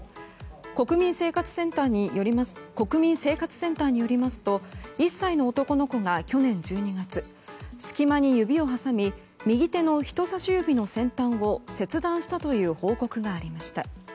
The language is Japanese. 国民生活センターによりますと１歳の男の子が去年１２月隙間に指を挟み右手の人さし指の先端を切断したという報告がありました。